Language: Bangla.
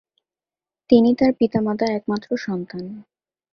তিনি তার পিতামাতার একমাত্র সন্তান।